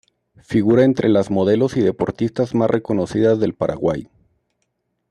Figura entre las modelos y deportistas más reconocidas del Paraguay.